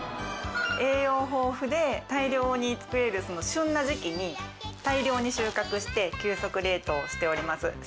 栄養豊富で大量に作れる旬な時期に大量に収穫して急速冷凍しております。